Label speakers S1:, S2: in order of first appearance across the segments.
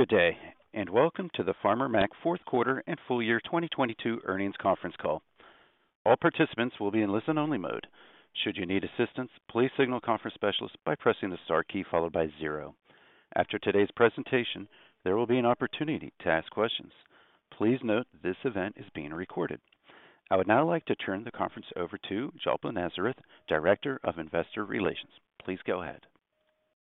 S1: Good day, welcome to the Farmer Mac fourth quarter and full year 2022 earnings conference call. All participants will be in listen-only mode. Should you need assistance, please signal the conference specialist by pressing the star key followed by zero. After today's presentation, there will be an opportunity to ask questions. Please note this event is being recorded. I would now like to turn the conference over to Jalpa Nazareth, Director of Investor Relations. Please go ahead.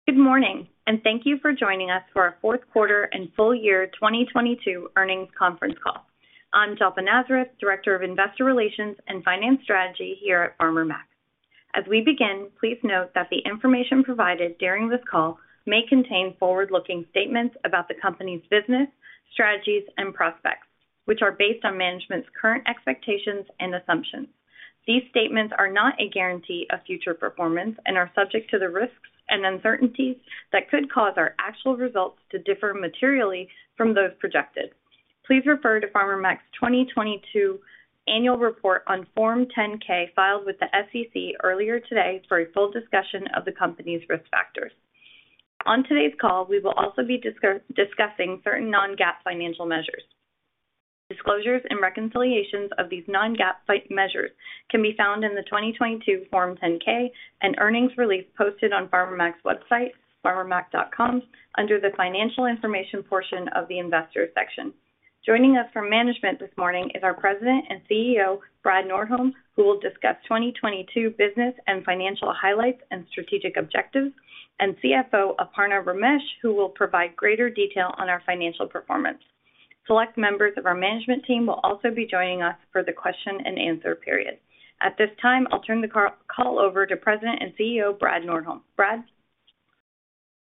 S2: Good morning, and thank you for joining us for our fourth quarter and full year 2022 earnings conference call. I'm Jalpa Nazareth, Director of Investor Relations and Finance Strategy here at Farmer Mac. As we begin, please note that the information provided during this call may contain forward-looking statements about the company's business, strategies, and prospects, which are based on management's current expectations and assumptions. These statements are not a guarantee of future performance and are subject to the risks and uncertainties that could cause our actual results to differ materially from those projected. Please refer to Farmer Mac's 2022 annual report on Form 10-K filed with the SEC earlier today for a full discussion of the company's risk factors. On today's call, we will also be discussing certain non-GAAP financial measures. Disclosures and reconciliations of these non-GAAP measures can be found in the 2022 Form 10-K and earnings release posted on Farmer Mac's website, farmermac.com, under the Financial Information portion of the Investors section. Joining us from management this morning is our President and CEO, Brad Nordholm, who will discuss 2022 business and financial highlights and strategic objectives, and CFO Aparna Ramesh, who will provide greater detail on our financial performance. Select members of our management team will also be joining us for the question and answer period. At this time, I'll turn the call over to President and CEO, Brad Nordholm. Brad?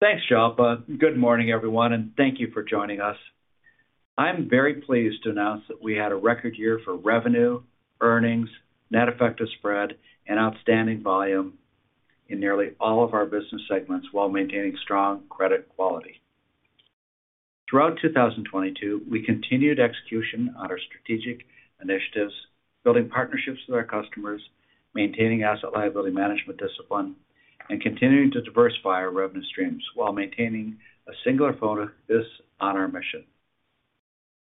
S3: Thanks, Jalpa. Good morning, everyone, and thank you for joining us. I'm very pleased to announce that we had a record year for revenue, earnings, net effective spread, and outstanding volume in nearly all of our business segments while maintaining strong credit quality. Throughout 2022, we continued execution on our strategic initiatives, building partnerships with our customers, maintaining asset liability management discipline, and continuing to diversify our revenue streams while maintaining a singular focus on our mission.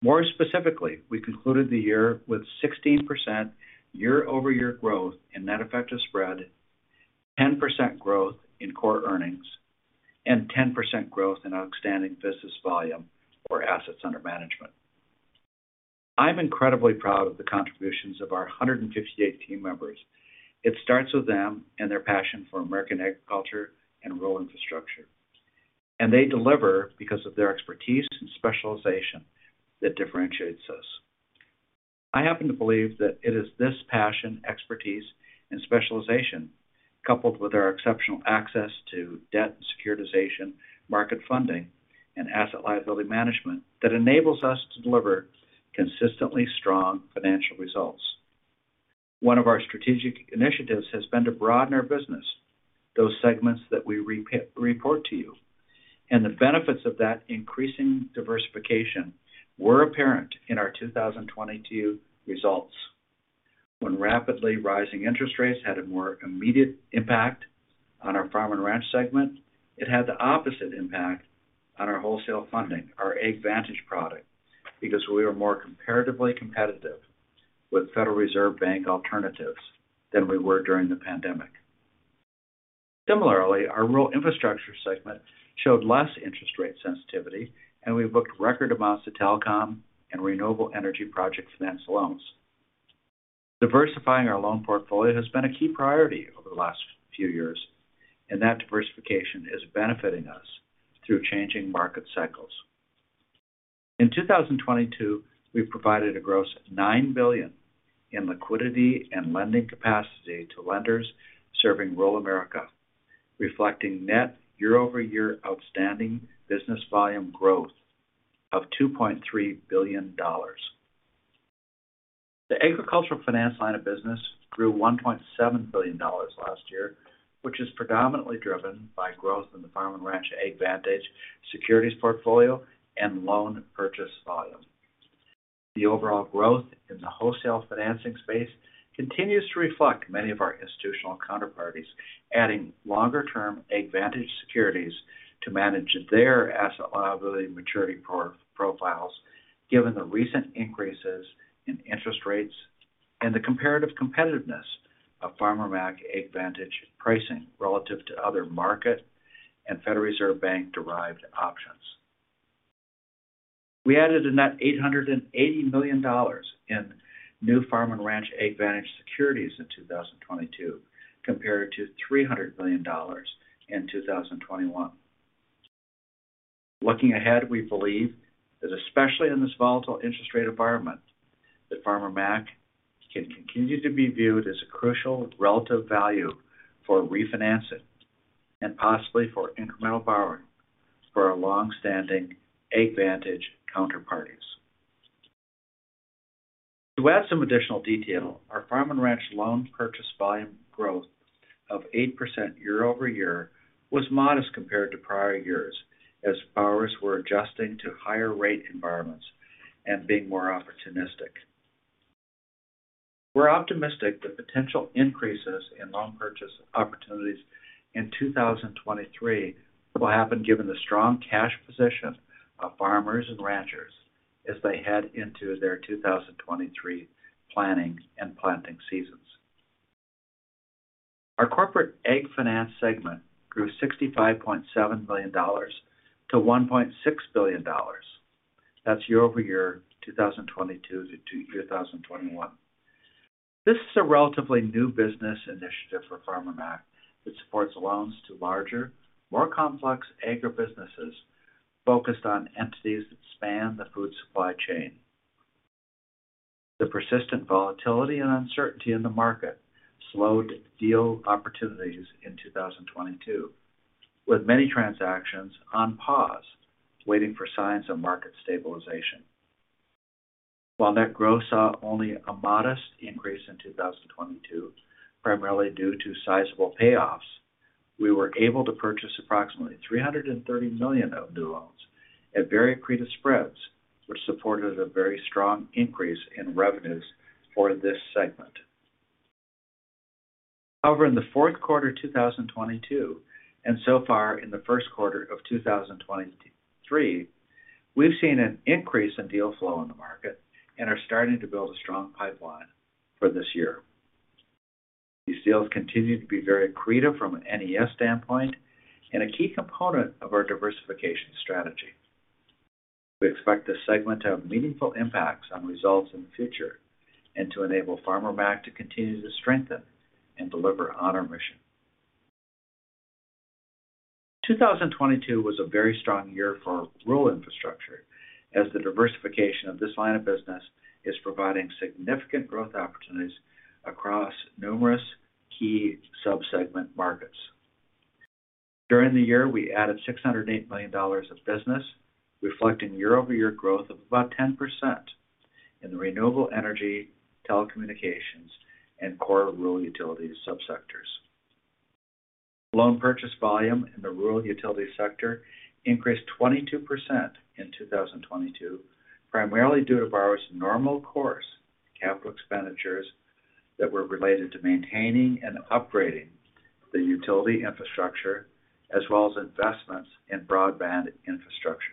S3: More specifically, we concluded the year with 16% year-over-year growth in net effective spread, 10% growth in core earnings, and 10% growth in outstanding business volume or assets under management. I'm incredibly proud of the contributions of our 158 team members. It starts with them and their passion for American agriculture and rural infrastructure. They deliver because of their expertise and specialization that differentiates us. I happen to believe that it is this passion, expertise, and specialization, coupled with our exceptional access to debt and securitization, market funding, and asset liability management that enables us to deliver consistently strong financial results. One of our strategic initiatives has been to broaden our business, those segments that we report to you. The benefits of that increasing diversification were apparent in our 2022 results. When rapidly rising interest rates had a more immediate impact on our Farm & Ranch segment, it had the opposite impact on our wholesale funding, our AgVantage product, because we were more comparatively competitive with Federal Reserve Bank alternatives than we were during the pandemic. Similarly, our rural infrastructure segment showed less interest rate sensitivity, and we booked record amounts of telecom and renewable energy project finance loans. Diversifying our loan portfolio has been a key priority over the last few years, and that diversification is benefiting us through changing market cycles. In 2022, we provided a gross $9 billion in liquidity and lending capacity to lenders serving rural America, reflecting net year-over-year outstanding business volume growth of $2.3 billion. The agricultural finance line of business grew $1.7 billion last year, which is predominantly driven by growth in the Farm and Ranch AgVantage securities portfolio and loan purchase volume. The overall growth in the wholesale financing space continues to reflect many of our institutional counterparties, adding longer-term AgVantage securities to manage their asset liability maturity pro-profiles given the recent increases in interest rates and the comparative competitiveness of Farmer Mac AgVantage pricing relative to other market and Federal Reserve Bank-derived options. We added a net $880 million in new Farm and Ranch AgVantage securities in 2022 compared to $300 million in 2021. Looking ahead, we believe that especially in this volatile interest rate environment, that Farmer Mac can continue to be viewed as a crucial relative value for refinancing and possibly for incremental borrowing for our long-standing AgVantage counterparties. To add some additional detail, our Farm and Ranch loan purchase volume growth of 8% year-over-year was modest compared to prior years as borrowers were adjusting to higher rate environments and being more opportunistic. We're optimistic that potential increases in loan purchase opportunities in 2023 will happen given the strong cash position of farmers and ranchers as they head into their 2023 planning and planting seasons. Our Corporate AgFinance segment grew $65.7 billion-$1.6 billion. That's year-over-year 2022-2021. This is a relatively new business initiative for Farmer Mac that supports loans to larger, more complex agribusinesses focused on entities that span the food supply chain. The persistent volatility and uncertainty in the market slowed deal opportunities in 2022, with many transactions on pause, waiting for signs of market stabilization. While net growth saw only a modest increase in 2022, primarily due to sizable payoffs, we were able to purchase approximately $330 million of new loans at very accretive spreads, which supported a very strong increase in revenues for this segment. In the fourth quarter 2022, and so far in the first quarter 2023, we've seen an increase in deal flow in the market and are starting to build a strong pipeline for this year. These deals continue to be very accretive from an NES standpoint and a key component of our diversification strategy. We expect this segment to have meaningful impacts on results in the future and to enable Farmer Mac to continue to strengthen and deliver on our mission. 2022 was a very strong year for rural infrastructure as the diversification of this line of business is providing significant growth opportunities across numerous key sub-segment markets. During the year, we added $608 million of business, reflecting year-over-year growth of about 10% in the renewable energy, telecommunications, and core rural utility subsectors. Loan purchase volume in the rural utility sector increased 22% in 2022, primarily due to borrowers normal course capital expenditures that were related to maintaining and upgrading the utility infrastructure as well as investments in broadband infrastructure.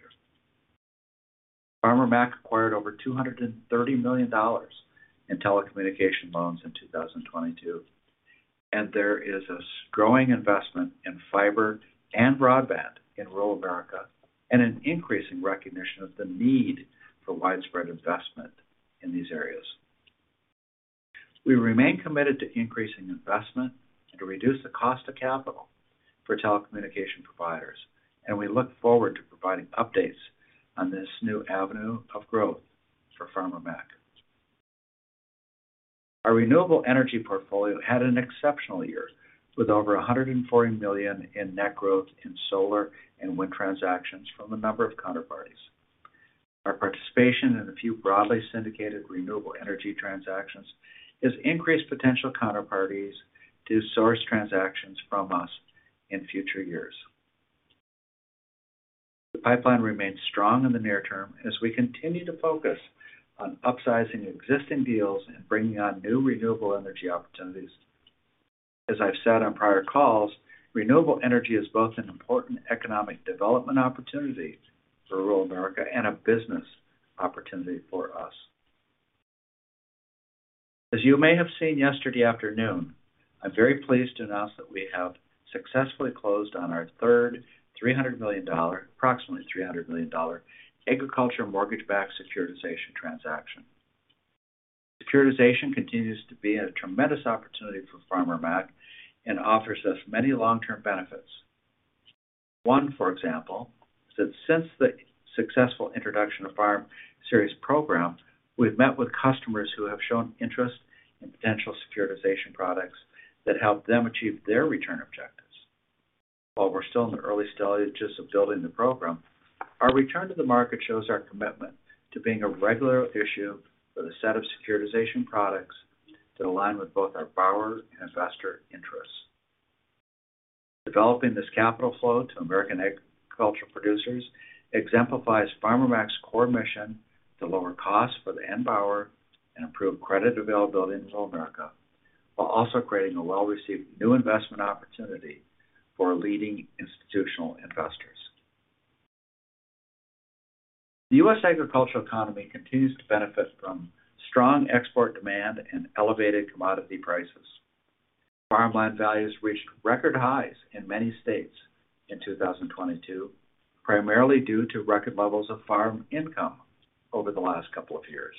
S3: Farmer Mac acquired over $230 million in telecommunication loans in 2022. There is a growing investment in fiber and broadband in rural America and an increasing recognition of the need for widespread investment in these areas. We remain committed to increasing investment and to reduce the cost of capital for telecommunication providers. We look forward to providing updates on this new avenue of growth for Farmer Mac. Our renewable energy portfolio had an exceptional year with over $140 million in net growth in solar and wind transactions from a number of counterparties. Our participation in a few broadly syndicated renewable energy transactions has increased potential counterparties to source transactions from us in future years. The pipeline remains strong in the near term as we continue to focus on upsizing existing deals and bringing on new renewable energy opportunities. As I've said on prior calls, renewable energy is both an important economic development opportunity for rural America and a business opportunity for us. As you may have seen yesterday afternoon, I'm very pleased to announce that we have successfully closed on our third approximately $300 million agricultural mortgage-backed securitization transaction. Securitization continues to be a tremendous opportunity for Farmer Mac and offers us many long-term benefits. One, for example, is that since the successful introduction of our series program, we've met with customers who have shown interest in potential securitization products that help them achieve their return objectives. While we're still in the early stages of building the program, our return to the market shows our commitment to being a regular issuer with a set of securitization products that align with both our borrower and investor interests. Developing this capital flow to American agricultural producers exemplifies Farmer Mac's core mission to lower costs for the end borrower and improve credit availability in rural America while also creating a well-received new investment opportunity for leading institutional investors. The US agricultural economy continues to benefit from strong export demand and elevated commodity prices. Farmland values reached record highs in many states in 2022, primarily due to record levels of farm income over the last couple of years.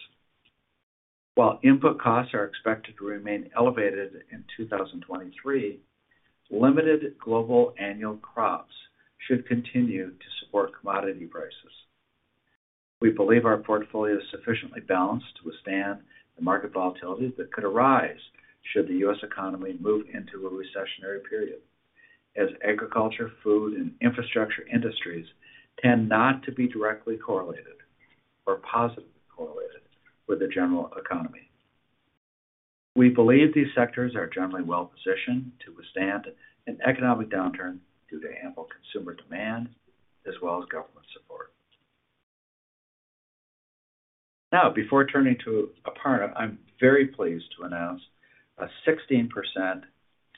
S3: While input costs are expected to remain elevated in 2023, limited global annual crops should continue to support commodity prices. We believe our portfolio is sufficiently balanced to withstand the market volatility that could arise should the US economy move into a recessionary period as agriculture, food, and infrastructure industries tend not to be directly correlated or positively correlated with the general economy. We believe these sectors are generally well positioned to withstand an economic downturn due to ample consumer demand as well as government support. Now, before turning to Aparna, I'm very pleased to announce a 16%,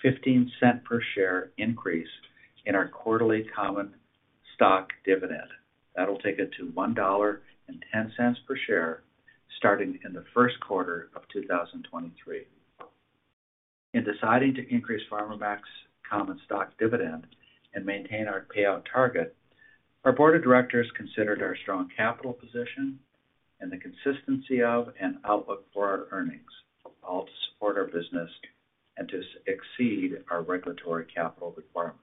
S3: $0.15 per share increase in our quarterly common stock dividend. That'll take it to $1.10 per share, starting in the first quarter of 2023. In deciding to increase Farmer Mac's common stock dividend and maintain our payout target, our board of directors considered our strong capital position and the consistency of an outlook for our earnings, all to support our business and to exceed our regulatory capital requirements.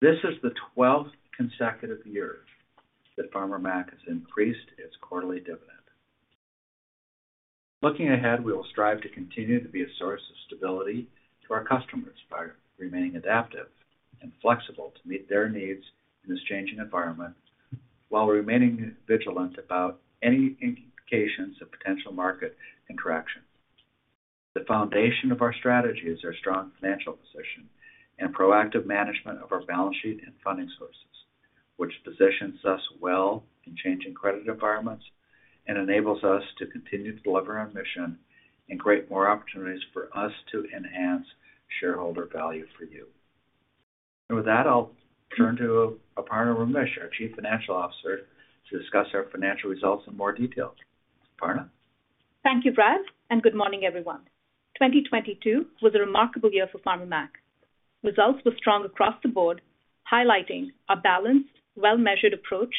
S3: This is the 12th consecutive year that Farmer Mac has increased its quarterly dividend. Looking ahead, we will strive to continue to be a source of stability to our customers by remaining adaptive and flexible to meet their needs in this changing environment while remaining vigilant about any indications of potential market interaction. The foundation of our strategy is our strong financial position and proactive management of our balance sheet and funding sources, which positions us well in changing credit environments and enables us to continue to deliver our mission and create more opportunities for us to enhance shareholder value for you. With that, I'll turn to Aparna Ramesh, our Chief Financial Officer, to discuss our financial results in more detail. Aparna.
S4: Thank you, Brad. Good morning, everyone. 2022 was a remarkable year for Farmer Mac. Results were strong across the board, highlighting a balanced, well-measured approach,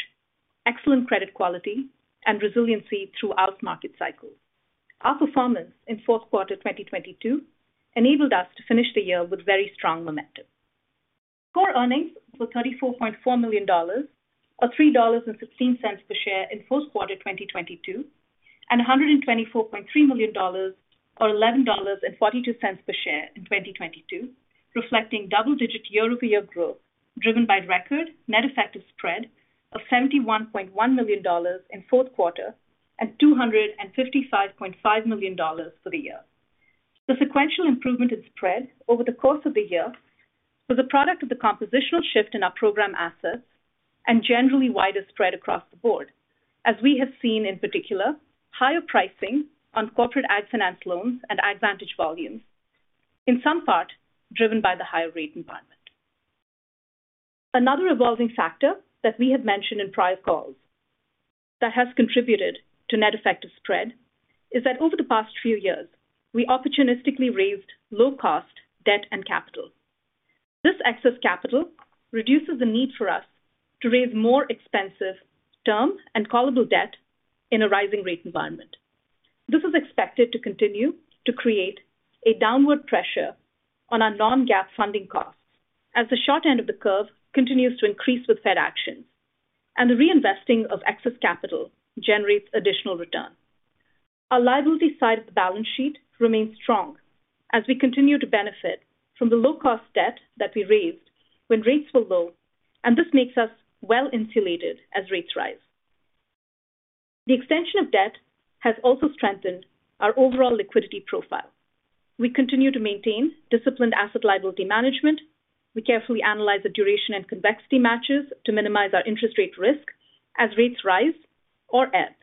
S4: excellent credit quality, and resiliency throughout market cycles. Our performance in fourth quarter 2022 enabled us to finish the year with very strong momentum. core earnings were $34.4 million or $3.16 per share in fourth quarter 2022, and $124.3 million or $11.42 per share in 2022, reflecting double-digit year-over-year growth, driven by record net effective spread of $71.1 million in fourth quarter and $255.5 million for the year. The sequential improvement in spread over the course of the year was a product of the compositional shift in our program assets and generally wider spread across the board, as we have seen in particular, higher pricing on Corporate AgFinance loans and AgVantage volumes, in some part driven by the higher rate environment. Another evolving factor that we have mentioned in prior calls that has contributed to net effective spread is that over the past few years, we opportunistically raised low cost debt and capital. This excess capital reduces the need for us to raise more expensive term and callable debt in a rising rate environment. This is expected to continue to create a downward pressure on our non-GAAP funding costs as the short end of the curve continues to increase with Fed actions and the reinvesting of excess capital generates additional return. Our liability side of the balance sheet remains strong as we continue to benefit from the low-cost debt that we raised when rates were low, and this makes us well-insulated as rates rise. The extension of debt has also strengthened our overall liquidity profile. We continue to maintain disciplined asset liability management. We carefully analyze the duration and convexity matches to minimize our interest rate risk as rates rise or ebb.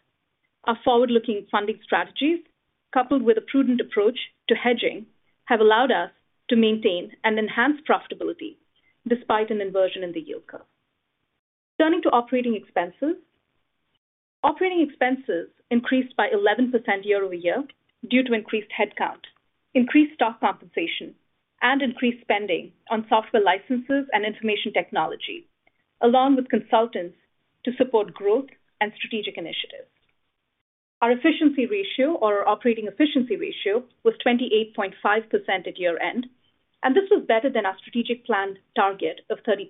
S4: Our forward-looking funding strategies, coupled with a prudent approach to hedging, have allowed us to maintain and enhance profitability despite an inversion in the yield curve. Turning to operating expenses. Operating expenses increased by 11% year-over-year due to increased headcount, increased stock compensation, and increased spending on software licenses and information technology, along with consultants to support growth and strategic initiatives. Our efficiency ratio or our operating efficiency ratio was 28.5% at year-end. This was better than our strategic plan target of 30%.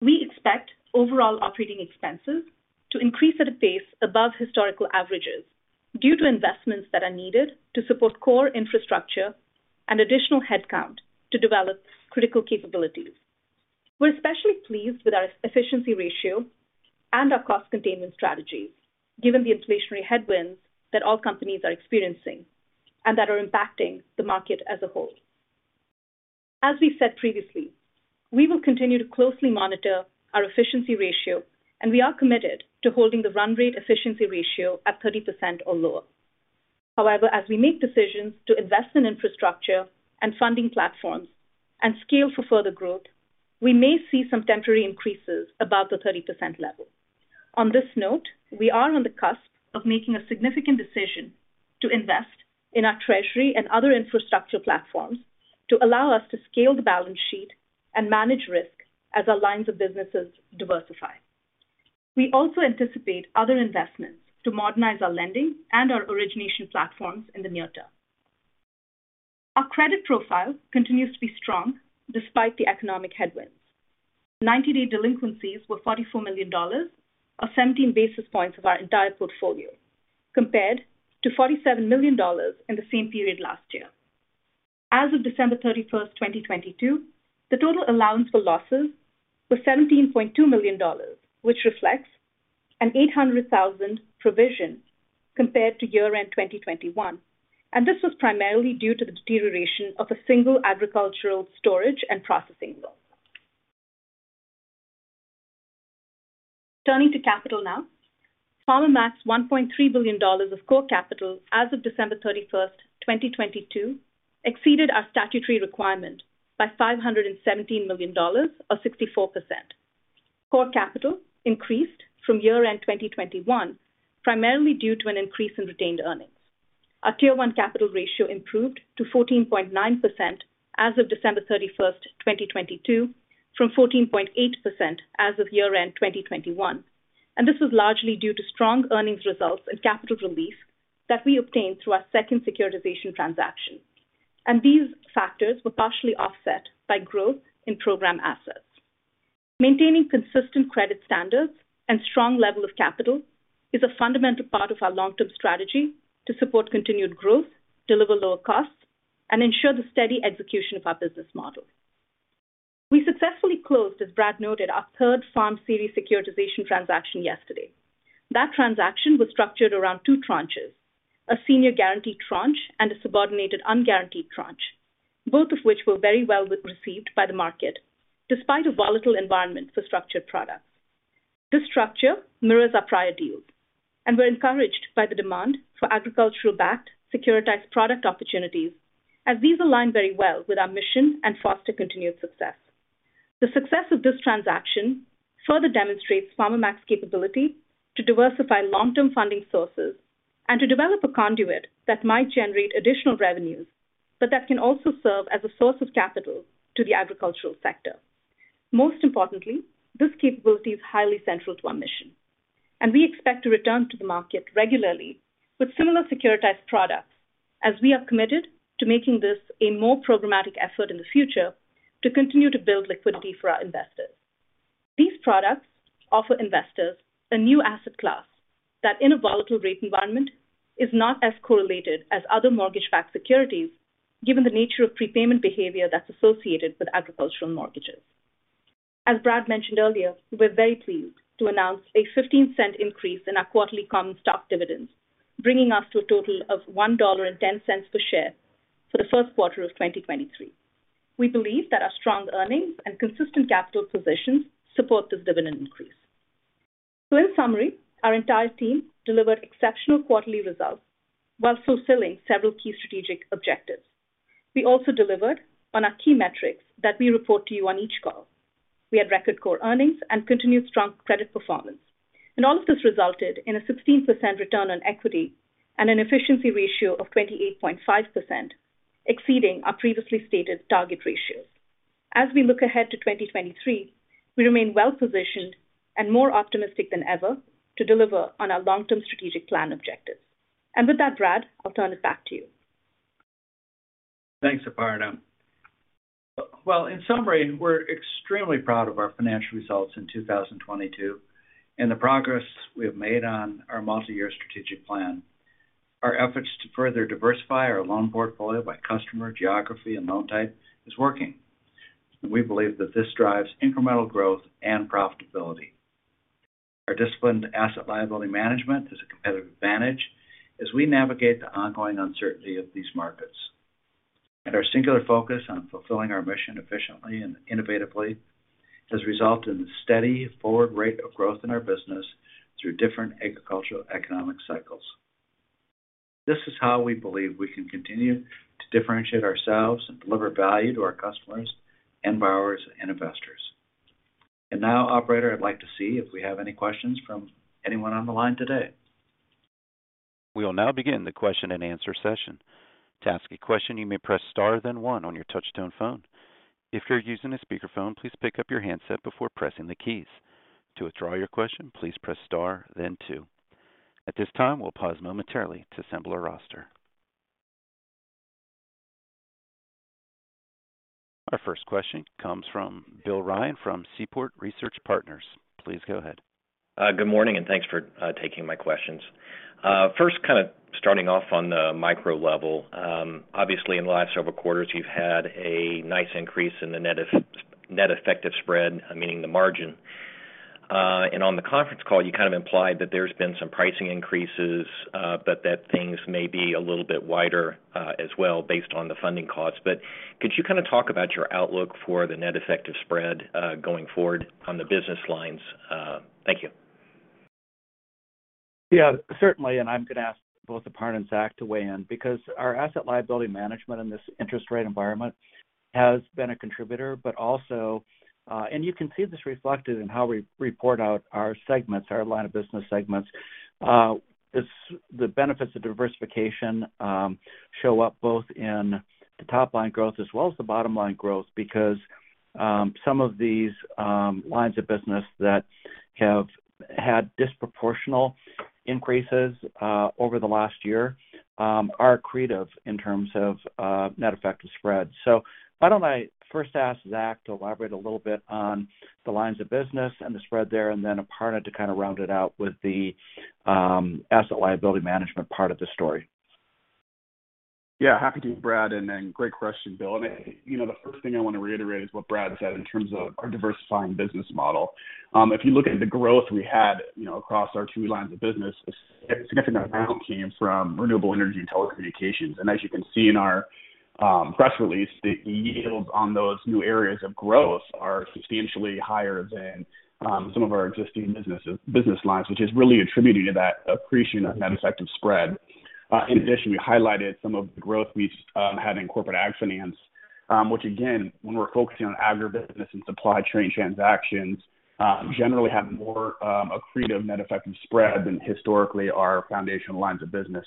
S4: We expect overall operating expenses to increase at a pace above historical averages due to investments that are needed to support core infrastructure and additional headcount to develop critical capabilities. We're especially pleased with our efficiency ratio and our cost containment strategies, given the inflationary headwinds that all companies are experiencing and that are impacting the market as a whole. As we said previously, we will continue to closely monitor our efficiency ratio. We are committed to holding the run rate efficiency ratio at 30% or lower. As we make decisions to invest in infrastructure and funding platforms and scale for further growth, we may see some temporary increases above the 30% level. On this note, we are on the cusp of making a significant decision to invest in our treasury and other infrastructure platforms to allow us to scale the balance sheet and manage risk as our lines of businesses diversify. We also anticipate other investments to modernize our lending and our origination platforms in the near term. Our credit profile continues to be strong despite the economic headwinds. Ninety-day delinquencies were $44 million, or 17 basis points of our entire portfolio, compared to $47 million in the same period last year. As of December 31, 2022, the total allowance for losses was $17.2 million, which reflects an $800,000 provision compared to year-end 2021. This was primarily due to the deterioration of a single agricultural storage and processing loan. Turning to capital now. Farmer Mac's $1.3 billion of core capital as of December 31, 2022, exceeded our statutory requirement by $517 million, or 64%. Core capital increased from year-end 2021, primarily due to an increase in retained earnings. Our Tier 1 capital ratio improved to 14.9% as of December 31, 2022, from 14.8% as of year-end 2021. This was largely due to strong earnings results and capital relief that we obtained through our second securitization transaction. These factors were partially offset by growth in program assets. Maintaining consistent credit standards and strong level of capital is a fundamental part of our long-term strategy to support continued growth, deliver lower costs, and ensure the steady execution of our business model. We successfully closed, as Brad noted, our third FARM Series securitization transaction yesterday. That transaction was structured around two tranches, a senior guaranteed tranche and a subordinated unguaranteed tranche, both of which were very well re-received by the market despite a volatile environment for structured products. This structure mirrors our prior deals, and we're encouraged by the demand for agricultural-backed securitized product opportunities as these align very well with our mission and foster continued success. The success of this transaction further demonstrates Farmer Mac's capability to diversify long-term funding sources and to develop a conduit that might generate additional revenues, but that can also serve as a source of capital to the agricultural sector. Most importantly, this capability is highly central to our mission, and we expect to return to the market regularly with similar securitized products as we are committed to making this a more programmatic effort in the future to continue to build liquidity for our investors. These products offer investors a new asset class that, in a volatile rate environment, is not as correlated as other mortgage-backed securities given the nature of prepayment behavior that's associated with agricultural mortgages. As Brad mentioned earlier, we're very pleased to announce a $0.15 increase in our quarterly common stock dividends, bringing us to a total of $1.10 per share for the first quarter of 2023. We believe that our strong earnings and consistent capital positions support this dividend increase. In summary, our entire team delivered exceptional quarterly results while fulfilling several key strategic objectives. We also delivered on our key metrics that we report to you on each call. We had record core earnings and continued strong credit performance. All of this resulted in a 16% return on equity and an efficiency ratio of 28.5%, exceeding our previously stated target ratios. As we look ahead to 2023, we remain well-positioned and more optimistic than ever to deliver on our long-term strategic plan objectives. With that, Brad, I'll turn it back to you.
S3: Thanks, Aparna. Well, in summary, we're extremely proud of our financial results in 2022 and the progress we have made on our multi-year strategic plan. Our efforts to further diversify our loan portfolio by customer, geography, and loan type is working. We believe that this drives incremental growth and profitability. Our disciplined asset liability management is a competitive advantage as we navigate the ongoing uncertainty of these markets. Our singular focus on fulfilling our mission efficiently and innovatively has resulted in a steady forward rate of growth in our business through different agricultural economic cycles. This is how we believe we can continue to differentiate ourselves and deliver value to our customers and borrowers and investors. Now, operator, I'd like to see if we have any questions from anyone on the line today.
S1: We will now begin the question-and-answer session. To ask a question, you may press star, then one on your touch-tone phone. If you're using a speakerphone, please pick up your handset before pressing the keys. To withdraw your question, please press star, then two. At this time, we'll pause momentarily to assemble a roster. Our first question comes from Bill Ryan from Seaport Research Partners. Please go ahead.
S5: Good morning, and thanks for taking my questions. First, kind of starting off on the micro level, obviously in the last several quarters, you've had a nice increase in the net effective spread, meaning the margin. On the conference call, you kind of implied that there's been some pricing increases, but that things may be a little bit wider as well based on the funding costs. Could you kind of talk about your outlook for the net effective spread going forward on the business lines? Thank you.
S3: Yeah, certainly, I'm gonna ask both Aparna and Zach to weigh in because our asset liability management in this interest rate environment has been a contributor, but also, and you can see this reflected in how we report out our segments, our line of business segments. The benefits of diversification show up both in the top-line growth as well as the bottom-line growth because some of these lines of business that have had disproportional increases over the last year are accretive in terms of net effective spread. Why don't I first ask Zach to elaborate a little bit on the lines of business and the spread there, and then Aparna to kind of round it out with the asset liability management part of the story?
S6: Yeah, happy to, Brad. Great question, Bill. You know, the first thing I want to reiterate is what Brad said in terms of our diversifying business model. If you look at the growth we had, you know, across our two lines of business, a significant amount came from renewable energy and telecommunications. As you can see in our press release, the yields on those new areas of growth are substantially higher than some of our existing business lines, which is really attributing to that accretion of net effective spread. In addition, we highlighted some of the growth we've had in Corporate AgFinance, which again, when we're focusing on agribusiness and supply chain transactions, generally have more accretive net effective spread than historically our foundational lines of business.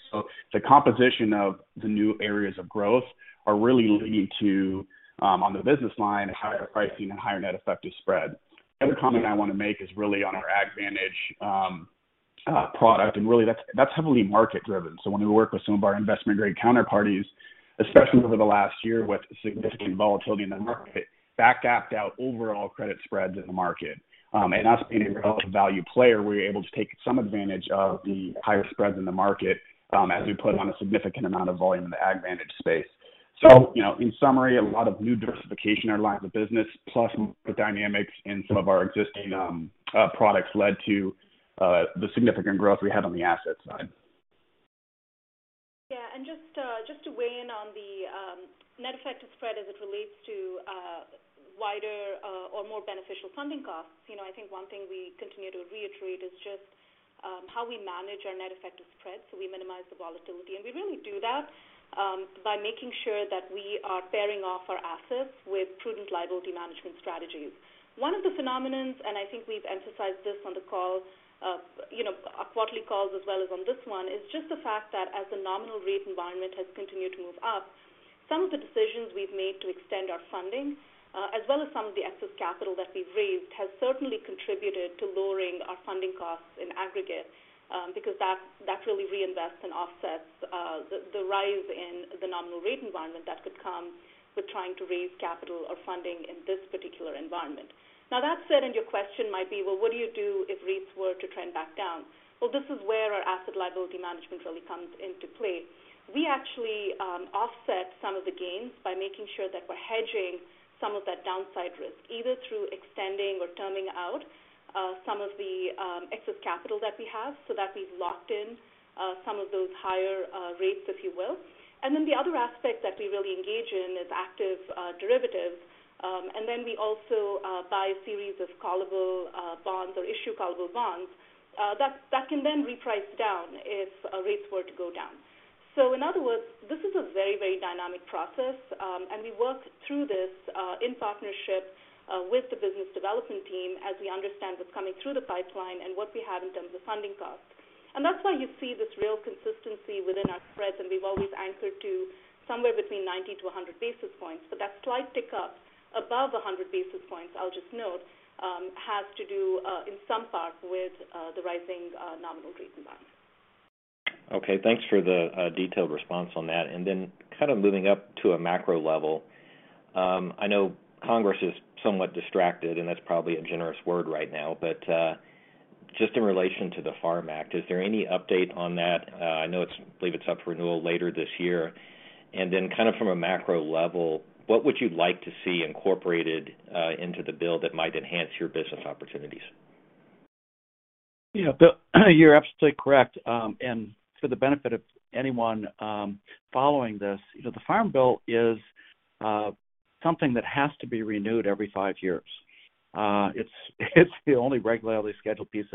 S6: The composition of the new areas of growth are really leading to, on the business line, higher pricing and higher net effective spread. The other comment I wanna make is really on our AgVantage product, and really that's heavily market driven. When we work with some of our investment grade counterparties, especially over the last year with significant volatility in the market, that gapped out overall credit spreads in the market. And us being a relative value player, we're able to take some advantage of the higher spreads in the market, as we put on a significant amount of volume in the AgVantage space. you know, in summary, a lot of new diversification in our lines of business, plus the dynamics in some of our existing products led to the significant growth we had on the asset side.
S4: Yeah. Just just to weigh in on the net effective spread as it relates to wider or more beneficial funding costs. You know, I think one thing we continue to reiterate is just how we manage our net effective spread so we minimize the volatility. We really do that by making sure that we are bearing off our assets with prudent liability management strategies. One of the phenomenons, and I think we've emphasized this on the calls, you know, our quarterly calls as well as on this one, is just the fact that as the nominal rate environment has continued to move up, some of the decisions we've made to extend our funding, as well as some of the excess capital that we've raised, has certainly contributed to lowering our funding costs in aggregate, because that really reinvests and offsets the rise in the nominal rate environment that could come with trying to raise capital or funding in this particular environment. That said, and your question might be, well, what do you do if rates were to trend back down? Well, this is where our asset liability management really comes into play. We actually offset some of the gains by making sure that we're hedging some of that downside risk, either through extending or terming out some of the excess capital that we have so that we've locked in some of those higher rates, if you will. The other aspect that we really engage in is active derivatives. We also buy a series of callable bonds or issue callable bonds that can then reprice down if rates were to go down. In other words, this is a very, very dynamic process, and we work through this in partnership with the business development team as we understand what's coming through the pipeline and what we have in terms of funding costs. That's why you see this real consistency within our spreads, and we've always anchored to somewhere between 90-100 basis points. That slight tick up above 100 basis points, I'll just note, has to do in some part with the rising nominal rate environment.
S5: Okay, thanks for the detailed response on that. Kind of moving up to a macro level, I know Congress is somewhat distracted, and that's probably a generous word right now, but, just in relation to the FARM Act, is there any update on that? I know believe it's up for renewal later this year. Kind of from a macro level, what would you like to see incorporated into the bill that might enhance your business opportunities?
S3: Yeah, Bill, you're absolutely correct. For the benefit of anyone, following this, you know, the Farm Bill is something that has to be renewed every five years. It's the only regularly scheduled piece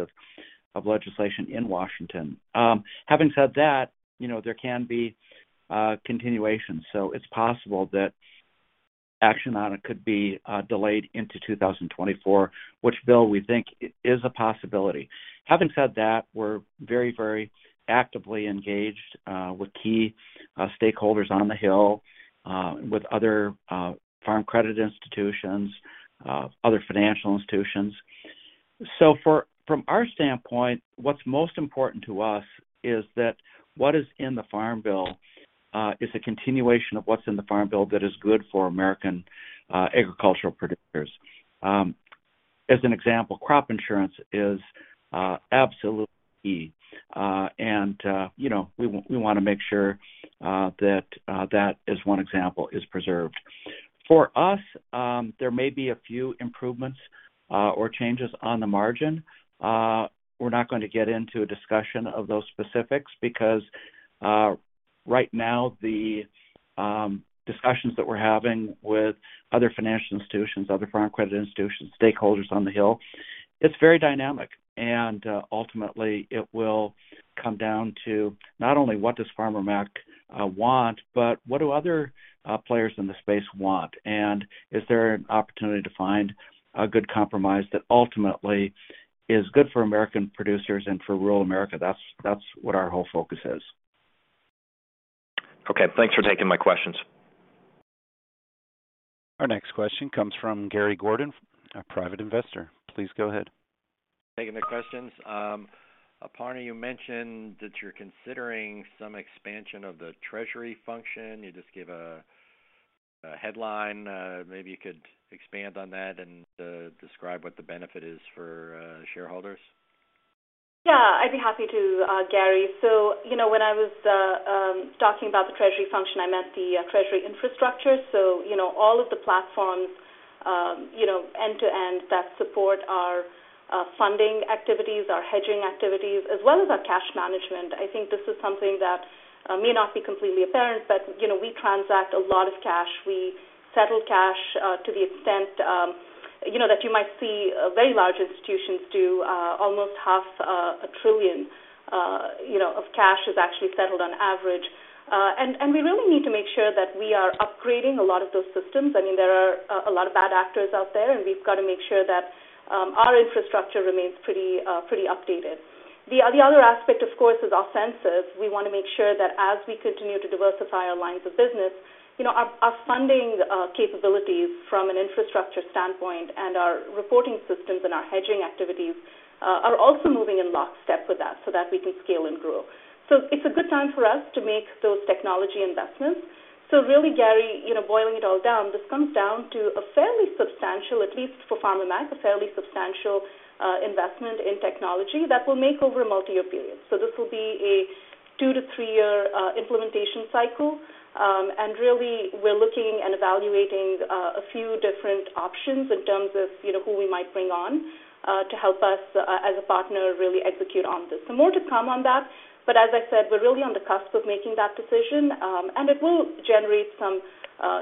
S3: of legislation in Washington. Having said that, you know, there can be continuation. It's possible that action on it could be delayed into 2024, which Bill, we think is a possibility. Having said that, we're very actively engaged with key stakeholders on the Hill, with other farm credit institutions, other financial institutions. From our standpoint, what's most important to us is that what is in the Farm Bill is a continuation of what's in the Farm Bill that is good for American agricultural producers. As an example, crop insurance is absolutely key. You know, we want to make sure that as one example is preserved. For us, there may be a few improvements or changes on the margin. We're not going to get into a discussion of those specifics because right now the discussions that we're having with other financial institutions, other farm credit institutions, stakeholders on the Hill, it's very dynamic. Ultimately, it will come down to not only what does Farmer Mac want, but what do other players in the space want? Is there an opportunity to find a good compromise that ultimately is good for American producers and for rural America? That's what our whole focus is.
S5: Okay. Thanks for taking my questions.
S1: Our next question comes from Gary Gordon, a private investor. Please go ahead.
S7: Thank you for taking the questions. Aparna, you mentioned that you're considering some expansion of the treasury function. You just gave a headline. Maybe you could expand on that and describe what the benefit is for shareholders?
S4: Yeah, I'd be happy to, Gary. You know, when I was talking about the treasury function, I meant the treasury infrastructure. You know, all of the platforms, you know, end to end that support our funding activities, our hedging activities, as well as our cash management. I think this is something that may not be completely apparent, but, you know, we transact a lot of cash. We settle cash, to the extent, you know, that you might see a very large institutions do, almost half a trillion, you know, of cash is actually settled on average. We really need to make sure that we are upgrading a lot of those systems. I mean, there are a lot of bad actors out there, and we've got to make sure that our infrastructure remains pretty updated. The other aspect, of course, is offensive. We wanna make sure that as we continue to diversify our lines of business, you know, our funding capabilities from an infrastructure standpoint and our reporting systems and our hedging activities are also moving in lockstep with that so that we can scale and grow. It's a good time for us to make those technology investments. Really, Gary, you know, boiling it all down, this comes down to a fairly substantial, at least for Farm & Ranch, a fairly substantial investment in technology that we'll make over a multi-year period. This will be a two-three-year implementation cycle. Really we're looking and evaluating a few different options in terms of, you know, who we might bring on to help us as a partner, really execute on this. More to come on that. As I said, we're really on the cusp of making that decision. It will generate some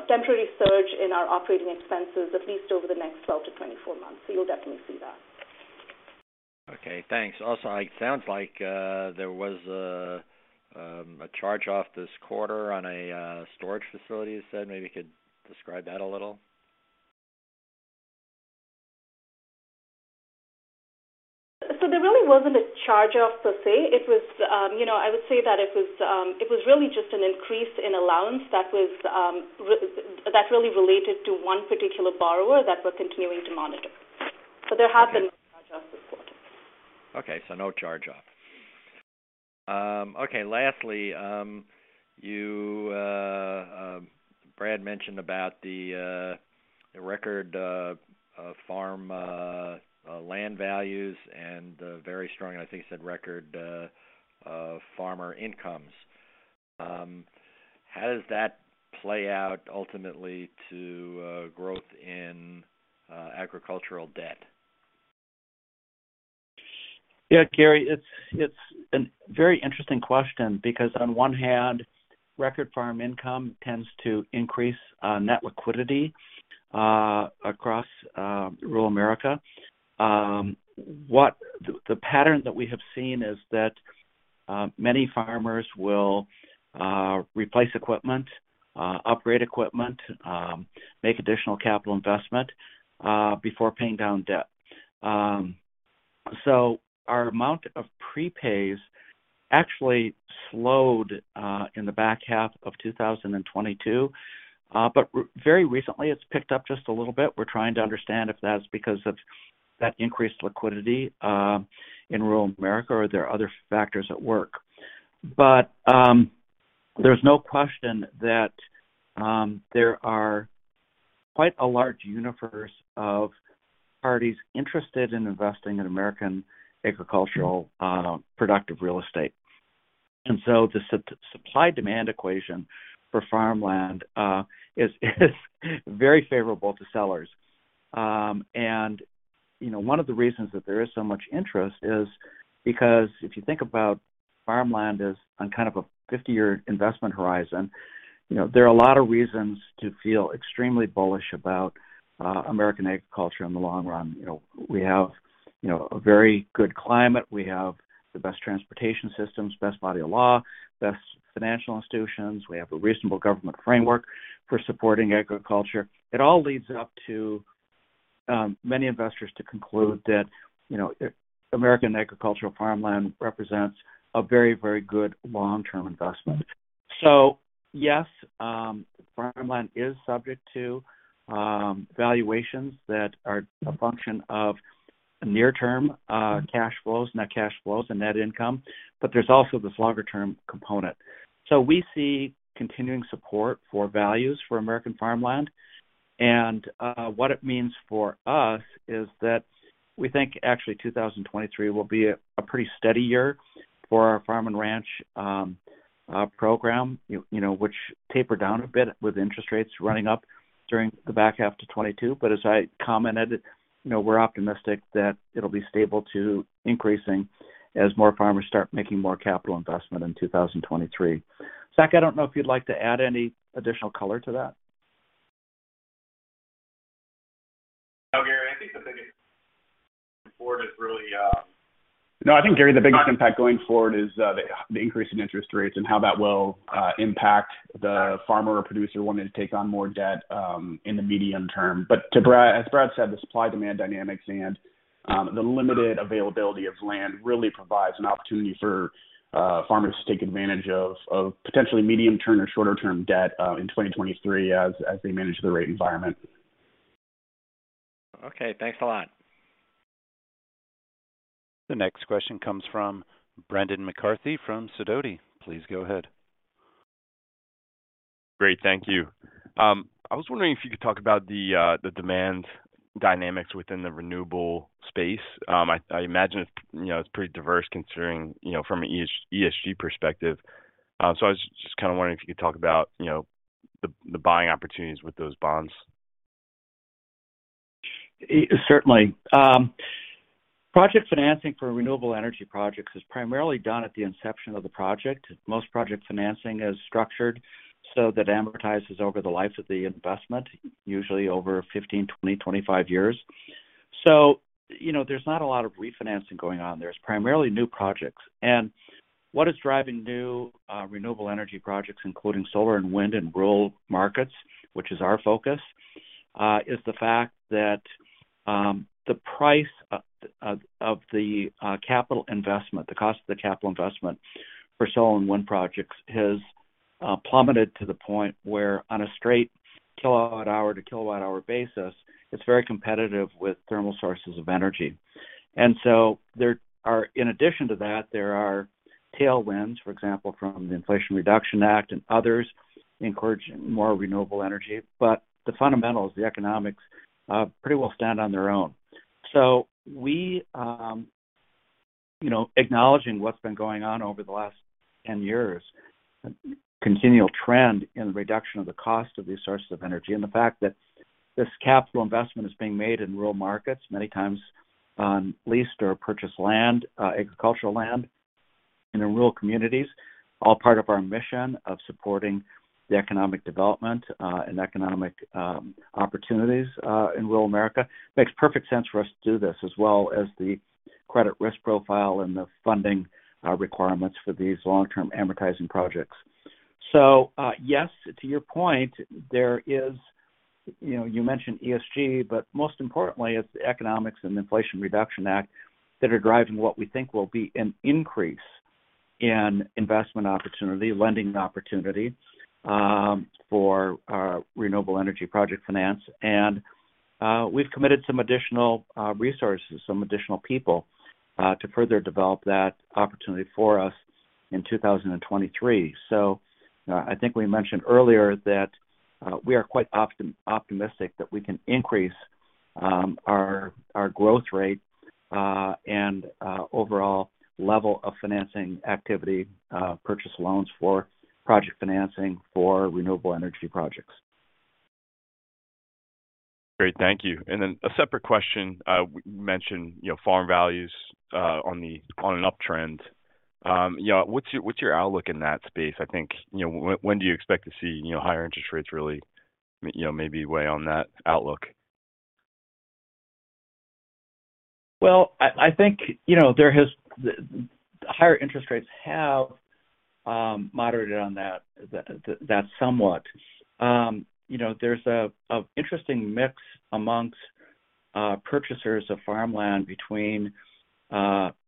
S4: temporary surge in our operating expenses at least over the next 12-24 months. You'll definitely see that.
S7: Okay, thanks. Also, it sounds like, there was a charge off this quarter on a, storage facility you said. Maybe you could describe that a little.
S4: There really wasn't a charge off per se. It was, you know, I would say that it was, it was really just an increase in allowance that was, that really related to one particular borrower that we're continuing to monitor. There has been no charge off this quarter.
S7: Okay, so no charge off. Okay. Lastly, you, Brad mentioned about the record farm land values and the very strong, I think you said record, farmer incomes. How does that play out ultimately to growth in agricultural debt?
S3: Yeah, Gary, it's a very interesting question because on one hand, record farm income tends to increase net liquidity across rural America. The pattern that we have seen is that many farmers will replace equipment, upgrade equipment, make additional capital investment before paying down debt. Our amount of prepays actually slowed in the back half of 2022. Very recently, it's picked up just a little bit. We're trying to understand if that's because of that increased liquidity in rural America or are there other factors at work. There's no question that there are quite a large universe of parties interested in investing in American agricultural productive real estate. The supply-demand equation for farmland is very favorable to sellers. You know, one of the reasons that there is so much interest is because if you think about farmland as on kind of a 50-year investment horizon, you know, there are a lot of reasons to feel extremely bullish about American agriculture in the long run. You know, we have, you know, a very good climate. We have the best transportation systems, best body of law, best financial institutions. We have a reasonable government framework for supporting agriculture. It all leads up to many investors to conclude that, you know, American agricultural farmland represents a very, very good long-term investment. Yes, farmland is subject to valuations that are a function of near-term cash flows, net cash flows and net income, but there's also this longer-term component. We see continuing support for values for American farmland. What it means for us is that we think actually 2023 will be a pretty steady year for our Farm & Ranch program, you know, which taper down a bit with interest rates running up during the back half to 2022. As I commented, you know, we're optimistic that it'll be stable to increasing as more farmers start making more capital investment in 2023. Zach, I don't know if you'd like to add any additional color to that.
S6: No, Gary, I think the biggest impact going forward is really, the increase in interest rates and how that will impact the farmer or producer wanting to take on more debt in the medium term. As Brad said, the supply-demand dynamics and the limited availability of land really provides an opportunity for farmers to take advantage of potentially medium-term or shorter-term debt in 2023 as they manage the rate environment.
S7: Okay, thanks a lot.
S1: The next question comes from Brendan McCarthy from Sidoti. Please go ahead.
S8: Great. Thank you. I was wondering if you could talk about the demand dynamics within the renewable space? I imagine it's, you know, it's pretty diverse considering, you know, from an ESG perspective. I was just kinda wondering if you could talk about, you know, the buying opportunities with those bonds?
S3: Certainly. Project financing for renewable energy projects is primarily done at the inception of the project. Most project financing is structured so that amortizes over the life of the investment, usually over 15, 20, 25 years. You know, there's not a lot of refinancing going on. There's primarily new projects. What is driving new renewable energy projects, including solar and wind and rural markets, which is our focus, is the fact that the price of the capital investment, the cost of the capital investment for solar and wind projects has plummeted to the point where on a straight kilowatt-hour to kilowatt-hour basis, it's very competitive with thermal sources of energy. In addition to that, there are tailwinds, for example, from the Inflation Reduction Act and others encourage more renewable energy. The fundamentals, the economics, pretty well stand on their own. We, you know, acknowledging what's been going on over the last 10 years, a continual trend in the reduction of the cost of these sources of energy, and the fact that this capital investment is being made in rural markets many times on leased or purchased land, agricultural land and in rural communities, all part of our mission of supporting the economic development, and economic opportunities in rural America. Makes perfect sense for us to do this as well as the credit risk profile and the funding requirements for these long-term amortizing projects. Yes, to your point, there is, you know, you mentioned ESG, but most importantly, it's the economics and the Inflation Reduction Act that are driving what we think will be an increase in investment opportunity, lending opportunity, for renewable energy project finance. We've committed some additional resources, some additional people, to further develop that opportunity for us in 2023. I think we mentioned earlier that we are quite optimistic that we can increase our growth rate and overall level of financing activity, purchase loans for project financing for renewable energy projects.
S8: Great. Thank you. Then a separate question. You mentioned, you know, farm values, on an uptrend. You know, what's your, what's your outlook in that space? I think, you know, when do you expect to see, you know, higher interest rates really, you know, maybe weigh on that outlook?
S3: I think, you know, higher interest rates have moderated on that somewhat. You know, there's a interesting mix amongst purchasers of farmland between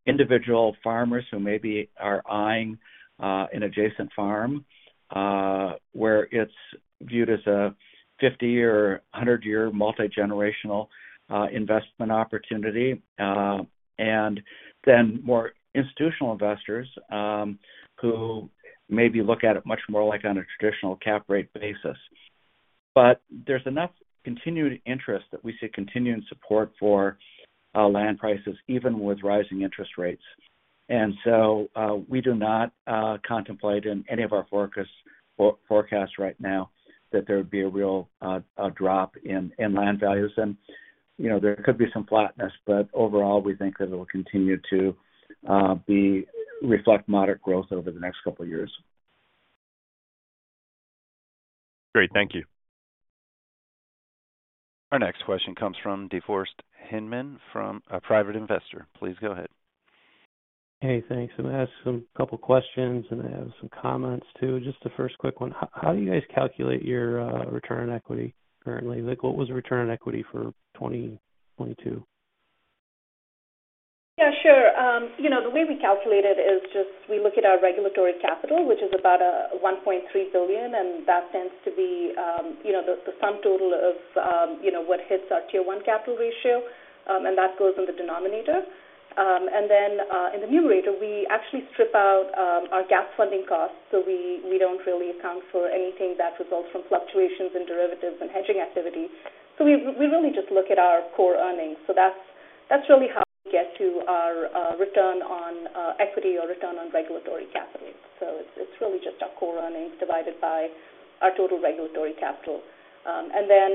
S3: individual farmers who maybe are eyeing an adjacent farm, where it's viewed as a 50-year or a 100-year multi-generational investment opportunity, and then more institutional investors, who maybe look at it much more like on a traditional cap rate basis. There's enough continued interest that we see continuing support for land prices even with rising interest rates. We do not contemplate in any of our forecast right now that there would be a real drop in land values. you know, there could be some flatness, but overall, we think that it will continue to reflect moderate growth over the next couple of years.
S8: Great. Thank you.
S1: Our next question comes from DeForest Hinman from a private investor. Please go ahead.
S9: Hey, thanks. I'm gonna ask some couple questions, and I have some comments too. Just the first quick one. How do you guys calculate your return on equity currently? Like, what was the return on equity for 2022?
S4: Yeah, sure. You know, the way we calculate it is just we look at our regulatory capital, which is about $1.3 billion, and that tends to be, you know, the sum total of, you know, what hits our Tier 1 capital ratio. That goes in the denominator. In the numerator, we actually strip out our GAAP funding costs. We don't really account for anything that results from fluctuations in derivatives and hedging activity. We really just look at our core earnings. That's really how we get to our return on equity or return on regulatory capital. It's really just our core earnings divided by our total regulatory capital.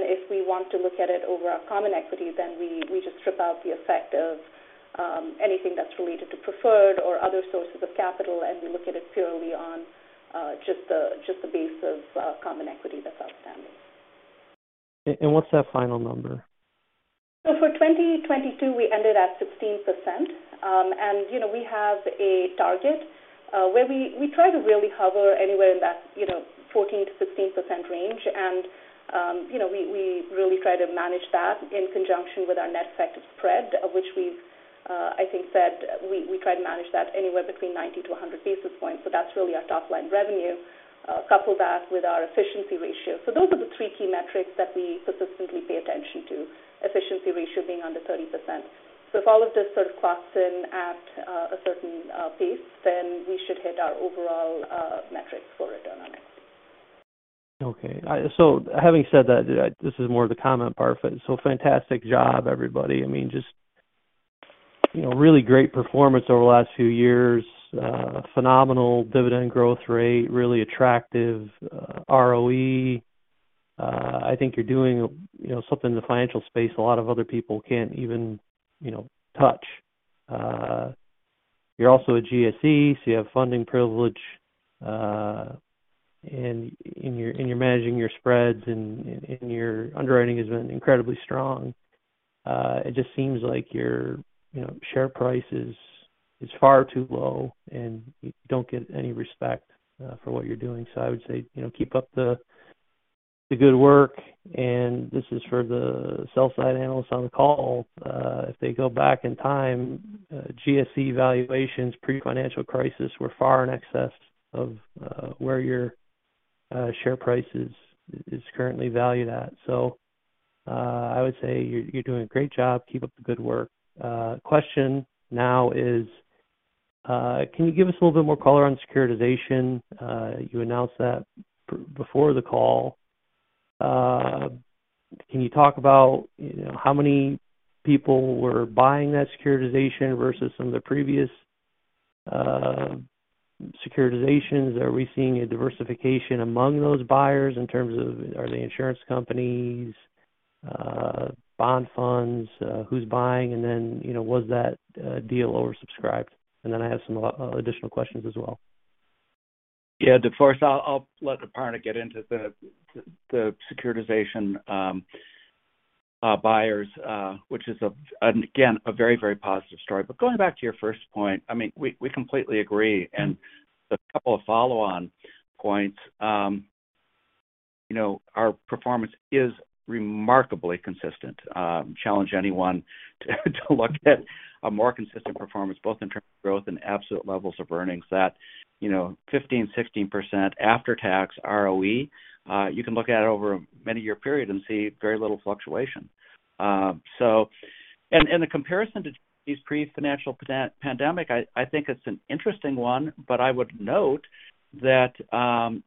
S4: If we want to look at it over our common equity, then we just strip out the effect of anything that's related to preferred or other sources of capital, and we look at it purely on just the base of common equity that's outstanding.
S9: what's that final number?
S4: For 2022, we ended at 16%. And, you know, we have a target where we try to really hover anywhere in that, you know, 14%-16% range. And, you know, we really try to manage that in conjunction with our net effective spread, of which we've, I think said we try to manage that anywhere between 90-100 basis points. That's really our top-line revenue, coupled back with our efficiency ratio. Those are the three key metrics that we consistently pay attention to, efficiency ratio being under 30%. If all of this sort of clocks in at a certain pace, then we should hit our overall metrics for it on our next.
S9: Okay. Having said that, this is more of the comment part. Fantastic job, everybody. I mean, just, you know, really great performance over the last few years. Phenomenal dividend growth rate, really attractive ROE. I think you're doing, you know, something in the financial space a lot of other people can't even, you know, touch. You're also a GSE, so you have funding privilege in your managing your spreads and in your underwriting has been incredibly strong. It just seems like your, you know, share price is far too low, and you don't get any respect for what you're doing. I would say, you know, keep up the good work. This is for the sell-side analysts on the call. If they go back in time, GSE valuations pre-financial crisis were far in excess of where your share price is currently valued at. I would say you're doing a great job. Keep up the good work. Question now is, can you give us a little bit more color on securitization? You announced that before the call. Can you talk about, you know, how many people were buying that securitization versus some of the previous securitizations? Are we seeing a diversification among those buyers in terms of are they insurance companies, bond funds, who's buying? You know, was that deal oversubscribed? I have some additional questions as well.
S3: Yeah. DeForest, I'll let Aparna get into the securitization buyers, again, a very, very positive story. Going back to your first point, I mean, we completely agree. A couple of follow-on points. You know, our performance is remarkably consistent. Challenge anyone to look at a more consistent performance both in terms of growth and absolute levels of earnings that, you know, 15%, 16% after-tax ROE, you can look at it over a many year period and see very little fluctuation. The comparison to these pre-financial pandemic, I think it's an interesting one, but I would note that,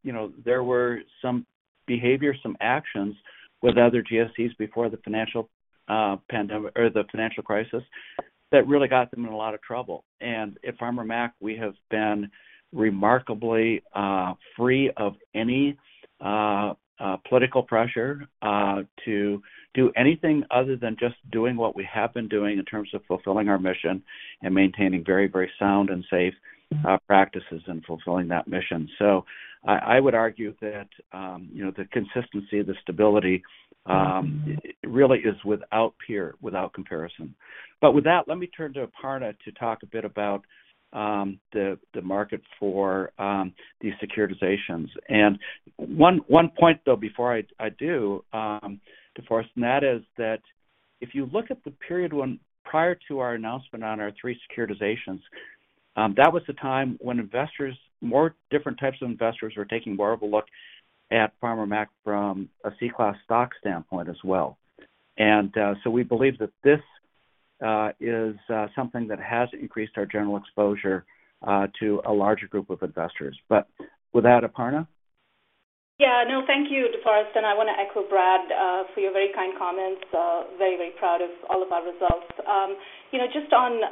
S3: you know, there were some behavior, some actions with other GSEs before the financial or the financial crisis that really got them in a lot of trouble. At Farmer Mac, we have been remarkably free of any political pressure to do anything other than just doing what we have been doing in terms of fulfilling our mission and maintaining very sound and safe practices in fulfilling that mission. I would argue that, you know, the consistency, the stability, really is without peer, without comparison. With that, let me turn to Aparna to talk a bit about the market for these securitizations. One point, though, before I do, DeForest, and that is that if you look at the period when prior to our announcement on our three securitizations, that was the time when investors, more different types of investors were taking more of a look at Farmer Mac from a Class C stock standpoint as well. We believe that this is something that has increased our general exposure to a larger group of investors. With that, Aparna.
S4: No, thank you, DeForest. I wanna echo Brad for your very kind comments. Very, very proud of all of our results. You know, just on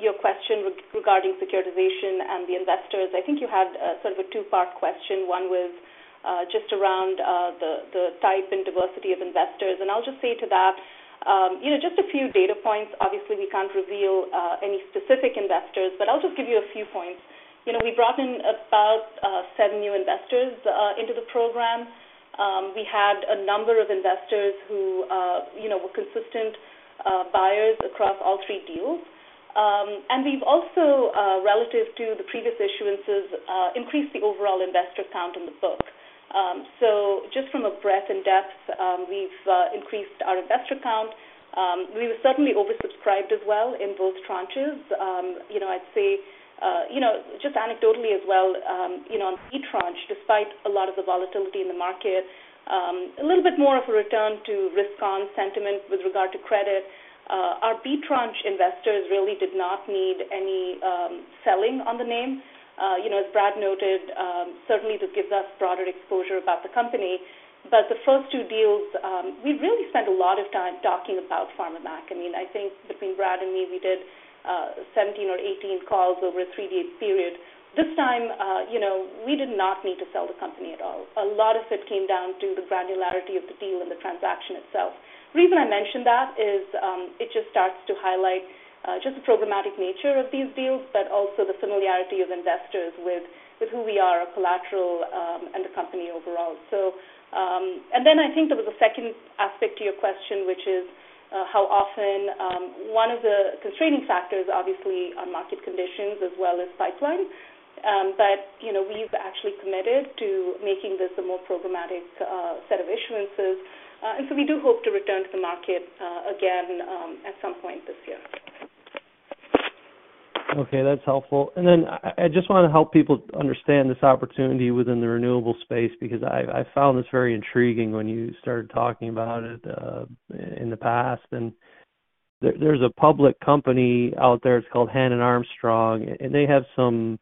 S4: your question regarding securitization and the investors, I think you had sort of a two-part question. One was just around the type and diversity of investors. I'll just say to that, you know, just a few data points. Obviously, we can't reveal any specific investors, but I'll just give you a few points. You know, we brought in about seven new investors into the program. We had a number of investors who, you know, were consistent buyers across all three deals. We've also, relative to the previous issuances, increased the overall investor count in the book. Just from a breadth and depth, we've increased our investor count. We were certainly oversubscribed as well in both tranches. You know, I'd say, you know, just anecdotally as well, you know, on E tranche, despite a lot of the volatility in the market, a little bit more of a return to risk-on sentiment with regard to credit. Our B Tranche investors really did not need any selling on the name. You know, as Brad noted, certainly this gives us broader exposure about the company. The first two deals, we really spent a lot of time talking about Farmer Mac. I mean, I think between Brad and me, we did 17 or 18 calls over a three-day period. This time, you know, we did not need to sell the company at all. A lot of it came down to the granularity of the deal and the transaction itself. The reason I mention that is, it just starts to highlight, just the programmatic nature of these deals, but also the familiarity of investors with who we are, our collateral, and the company overall. I think there was a second aspect to your question, which is, how often, one of the constraining factors obviously are market conditions as well as pipeline. You know, we've actually committed to making this a more programmatic, set of issuances. We do hope to return to the market, again, at some point this year.
S9: Okay, that's helpful. I just want to help people understand this opportunity within the renewable space, because I found this very intriguing when you started talking about it in the past. There's a public company out there, it's called Hannon Armstrong, and they have some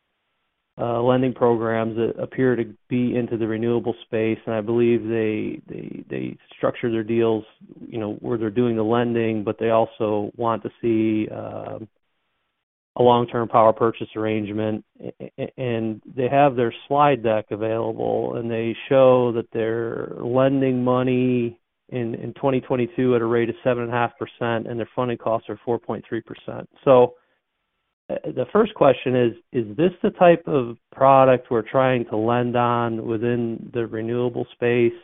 S9: lending programs that appear to be into the renewable space. I believe they structure their deals, you know, where they're doing the lending, but they also want to see a long-term power purchase arrangement. They have their slide deck available, and they show that they're lending money in 2022 at a rate of 7.5%, and their funding costs are 4.3%. The first question is this the type of product we're trying to lend on within the renewable space?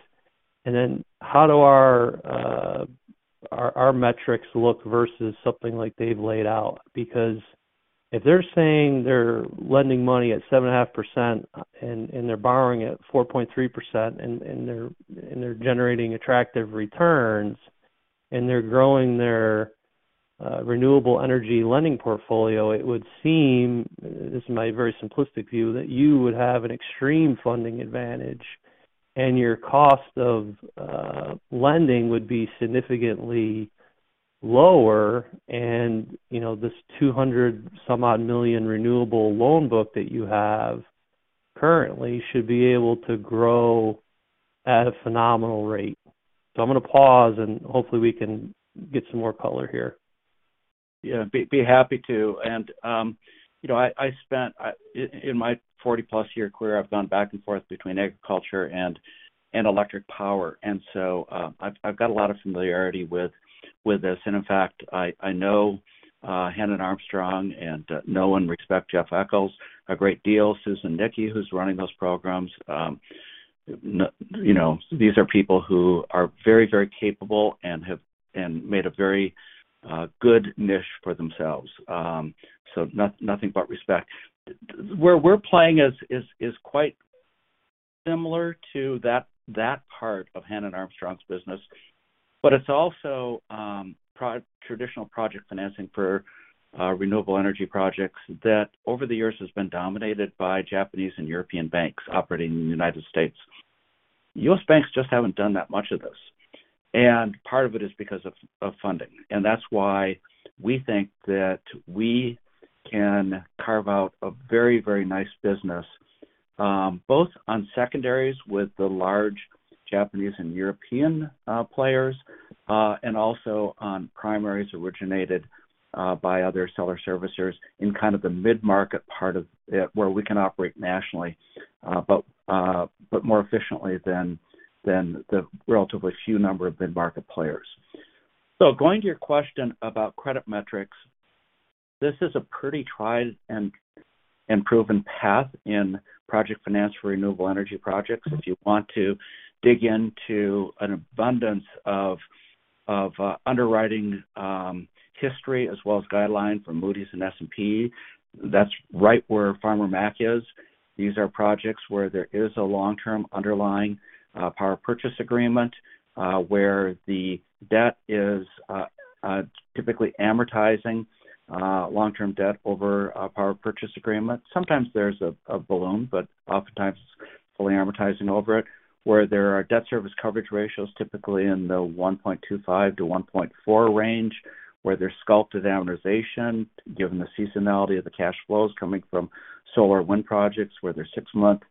S9: Then how do our metrics look versus something like they've laid out? If they're saying they're lending money at 7.5% and they're borrowing at 4.3%, and they're generating attractive returns, and they're growing their renewable energy lending portfolio, it would seem, this is my very simplistic view, that you would have an extreme funding advantage and your cost of lending would be significantly lower. You know, this $200 some odd million renewable loan book that you have currently should be able to grow at a phenomenal rate. I'm going to pause, and hopefully we can get some more color here.
S3: Yeah, be happy to. you know, I spent in my 40+ year career, I've gone back and forth between agriculture and electric power, so I've got a lot of familiarity with this. In fact, I know Hannon Armstrong and know and respect Jeff Eckel a great deal. Susan Nickey, who's running those programs. you know, these are people who are very capable and made a very good niche for themselves. so nothing but respect. Where we're playing is quite similar to that part of Hannon Armstrong's business, but it's also traditional project financing for renewable energy projects that over the years has been dominated by Japanese and European banks operating in the United States. U.S. banks just haven't done that much of this. Part of it is because of funding. That's why we think that we can carve out a very, very nice business, both on secondaries with the large Japanese and European players, and also on primaries originated by other seller servicers in kind of the mid-market part of it, where we can operate nationally, but more efficiently than the relatively few number of mid-market players. Going to your question about credit metrics, this is a pretty tried and proven path in project finance for renewable energy projects. If you want to dig into an abundance of underwriting history as well as guidelines from Moody's and S&P, that's right where Farmer Mac is. These are projects where there is a long-term underlying power purchase agreement, where the debt is typically amortizing long-term debt over a power purchase agreement. Sometimes there's a balloon, but oftentimes it's fully amortizing over it, where there are debt service coverage ratios, typically in the 1.25-1.4 range, where there's sculpted amortization, given the seasonality of the cash flows coming from solar wind projects where there's six-month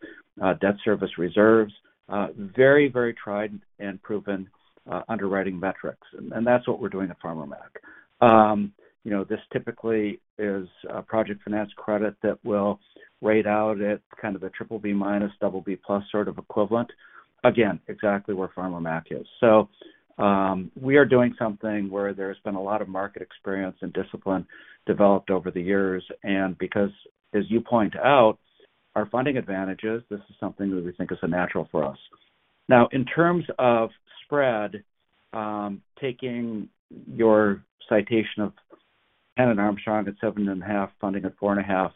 S3: debt service reserves. Very, very tried and proven underwriting metrics. That's what we're doing at Farmer Mac. You know, this typically is a project finance credit that will rate out at kind of the triple B- double B+ sort of equivalent. Again, exactly where Farmer Mac is. We are doing something where there's been a lot of market experience and discipline developed over the years. Because, as you point out, our funding advantages, this is something that we think is a natural for us. In terms of spread, taking your citation of Hannon Armstrong at seven and a half, funding at four and a half,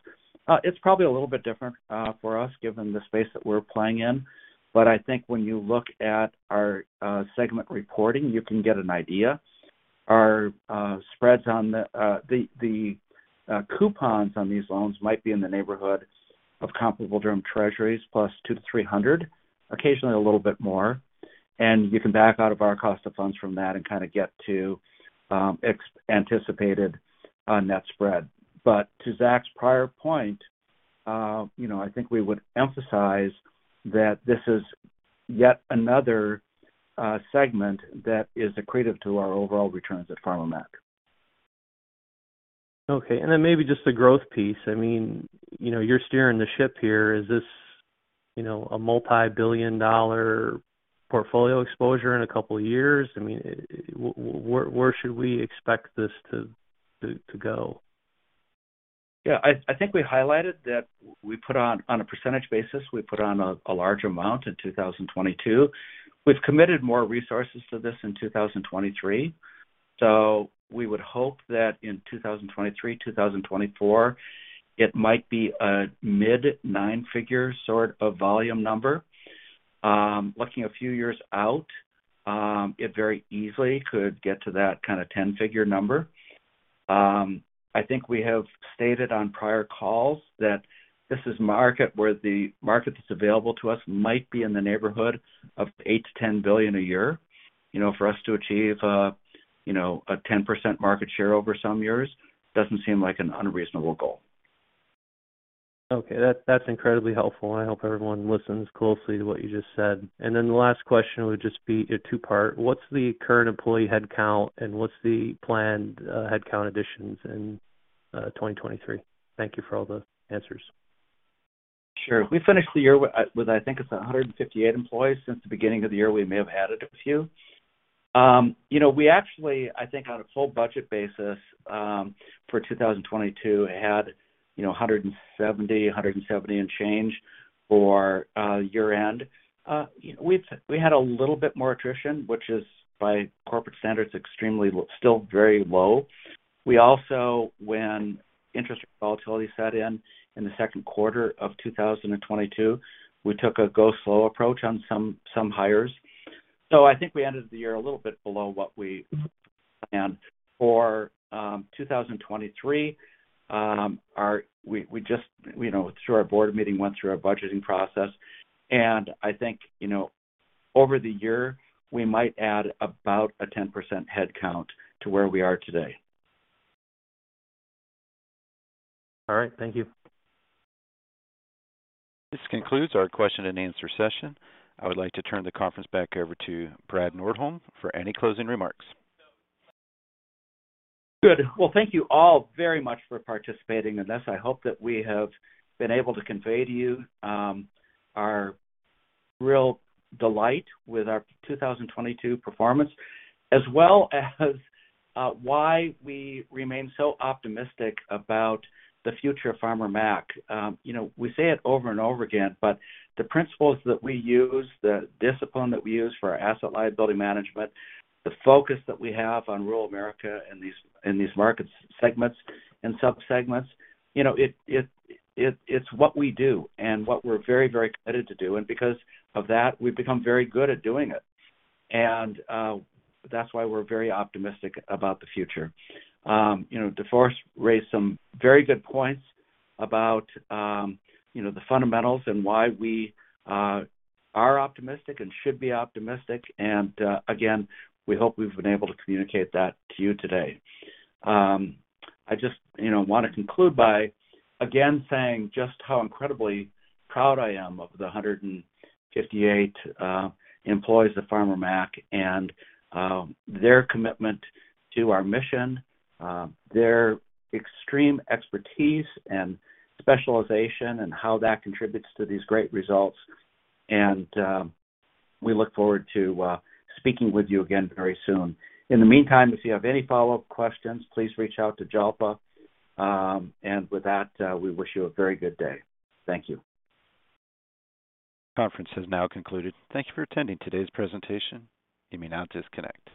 S3: it's probably a little bit different for us, given the space that we're playing in. I think when you look at our segment reporting, you can get an idea. Our spreads on the coupons on these loans might be in the neighborhood of comparable on-the-run Treasuries plus 200-300, occasionally a little bit more. You can back out of our cost of funds from that and kind of get to anticipated on net spread. To Zach's prior point, you know, I think we would emphasize that this is yet another segment that is accretive to our overall returns at Farmer Mac.
S9: Okay. Then maybe just the growth piece. I mean, you know, you're steering the ship here. Is this, you know, a multi-billion dollar portfolio exposure in a couple of years? I mean, where should we expect this to go?
S3: Yeah. I think we highlighted that we put on a percentage basis, we put on a large amount in 2022. We've committed more resources to this in 2023. We would hope that in 2023, 2024, it might be a mid nine-figure sort of volume number. Looking a few years out, it very easily could get to that kind of ten-figure number. I think we have stated on prior calls that this is market where the market that's available to us might be in the neighborhood of $8 billion-$10 billion a year. You know, for us to achieve a, you know, a 10% market share over some years doesn't seem like an unreasonable goal.
S9: Okay. That's incredibly helpful. I hope everyone listens closely to what you just said. The last question would just be a two-part. What's the current employee headcount, and what's the planned headcount additions in 2023? Thank you for all the answers.
S3: Sure. We finished the year with I think it's 158 employees. Since the beginning of the year, we may have added a few. you know, we actually, I think on a full budget basis, for 2022 had, you know, 170 and change for year-end. We had a little bit more attrition, which is by corporate standards extremely low, still very low. We also, when interest volatility set in in the second quarter of 2022, we took a go slow approach on some hires. I think we ended the year a little bit below what we planned. 2023, we just, you know, through our board meeting, went through our budgeting process and I think, you know, over the year we might add about a 10% headcount to where we are today.
S9: All right. Thank you.
S1: This concludes our question and answer session. I would like to turn the conference back over to Brad Nordholm for any closing remarks.
S3: Good. Well, thank you all very much for participating in this. I hope that we have been able to convey to you, our real delight with our 2022 performance, as well as, why we remain so optimistic about the future of Farmer Mac. You know, we say it over and over again, but the principles that we use, the discipline that we use for our asset liability management, the focus that we have on rural America in these, in these market segments and subsegments, you know, it's what we do and what we're very committed to do. Because of that, we've become very good at doing it. That's why we're very optimistic about the future. You know, DeForest raised some very good points about, you know, the fundamentals and why we are optimistic and should be optimistic. Again, we hope we've been able to communicate that to you today. I just, you know, want to conclude by again saying just how incredibly proud I am of the 158 employees of Farmer Mac and their commitment to our mission, their extreme expertise and specialization and how that contributes to these great results. We look forward to speaking with you again very soon. In the meantime, if you have any follow-up questions, please reach out to Jalpa. With that, we wish you a very good day. Thank you.
S1: Conference has now concluded. Thank you for attending today's presentation. You may now disconnect.